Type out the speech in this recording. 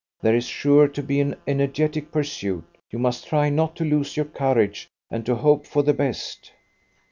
There is sure to be an energetic pursuit. You must try not to lose your courage, and to hope for the best."